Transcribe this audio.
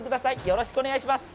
よろしくお願いします。